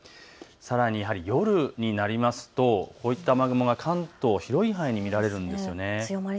さらに夜になりますとこういった雨雲が関東の広い範囲に見られます。